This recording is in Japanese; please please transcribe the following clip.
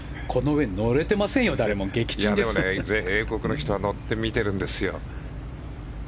英国の人は乗って見てるんですよ。